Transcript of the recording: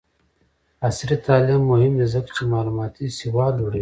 عصري تعلیم مهم دی ځکه چې معلوماتي سواد لوړوي.